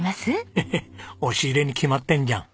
ヘヘ押し入れに決まってんじゃん。